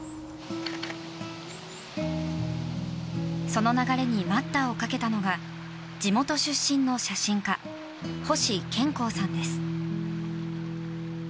その流れに待ったをかけたのが地元出身の写真家星賢孝さんです。